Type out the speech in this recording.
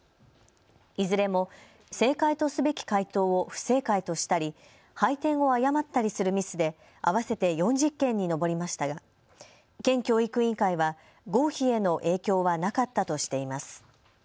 いずれも正解とすべき解答を不正解としたり配点を誤ったりするミスで合わせて４０件に上りましたが県教育委員会は合否への影響はなかったとしています。